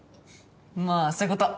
まぁそういうこと。